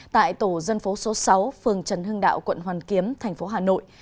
tại tổ dân phố số sáu phường trần hưng đạo quận hoàn kiếm thành phố hà nội